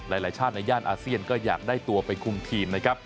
หลายชาติในย่านอาเซียนก็อยากได้ตัวไปคุมทีมนะครับ